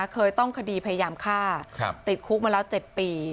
เคยต้องคดีพยายามฆ่าติดคุกมาแล้ว๗ปี